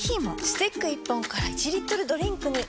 スティック１本から１リットルドリンクに！